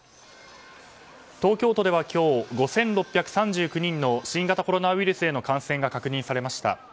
東京都では今日、５６３９人の新型コロナウイルスへの感染が確認されました。